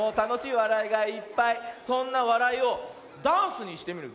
そんな「わらい」をダンスにしてみるよ。